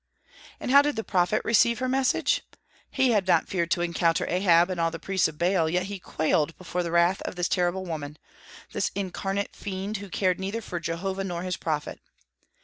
And how did the prophet receive her message? He had not feared to encounter Ahab and all the priests of Baal, yet he quailed before the wrath of this terrible woman, this incarnate fiend, who cared neither for Jehovah nor his prophet.